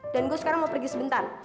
dan gue sekarang mau pergi sebentar